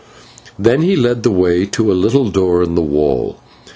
Then he led the way to a little door in the wall.